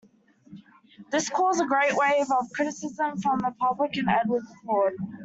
This caused a great wave of criticism from the public and Edward's Court.